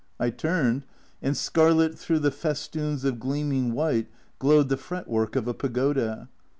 I turned, and scarlet through the festoons of gleaming white glowed the fretwork of a pagoda.